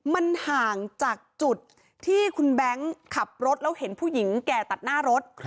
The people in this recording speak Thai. มันห่างจากจุดที่คุณแบงค์ขับรถแล้วเห็นผู้หญิงแก่ตัดหน้ารถ